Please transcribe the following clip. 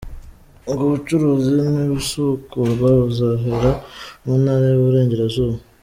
Ngo ubucuruzi nibusubukurwa bazahera mu ntara y’Iburengerazura.